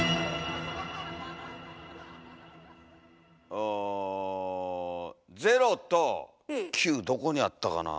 お０と９どこにあったかなあ。